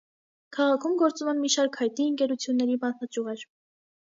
Քաղաքում գործում են մի շարք հայտնի ընկերությունների մասնաճյուղեր։